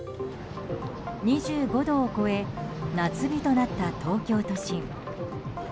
２５度を超え夏日となった東京都心。